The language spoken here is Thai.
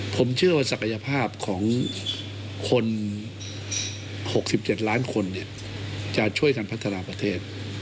ผมเชื่อว่าศักยภาพของคน๖๗ล้านคนจะช่วยกันพัฒนาประเทศ